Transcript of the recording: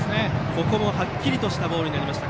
ここもはっきりとしたボールになりました。